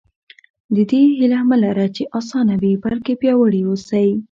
د دې هیله مه لره چې اسانه وي بلکې پیاوړي اوسئ.